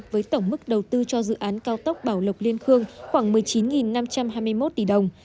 với tổng mức đầu tư cho dự án cao tốc bảo lộc liên khương khoảng một mươi chín năm trăm hai mươi một tỷ đồng